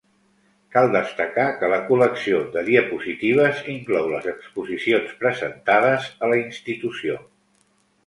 Cal destacar que la col·lecció de diapositives inclou les exposicions presentades a la institució.